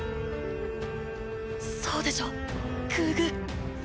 そうでしょグーグー。